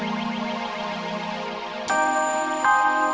ya allah tolongin dokter kemana sih